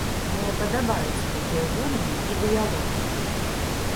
Мне падабаюцца такія гульні і дыялогі.